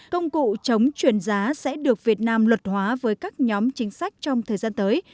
công cụ chống chuyển giá sẽ được việt nam luật hóa với các nhóm chính sách trong thời gian tới